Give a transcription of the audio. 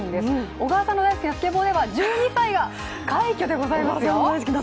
小川さんの大好きなスケボーでは１２歳が快挙でございますよ。